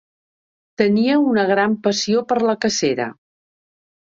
Tenia una gran passió per la cacera.